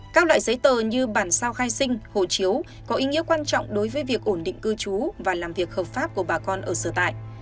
các loại giấy tờ như bản sao khai sinh hồ chiếu có ý nghĩa quan trọng đối với việc ổn định cư trú và làm việc hợp pháp của bà con ở sở tại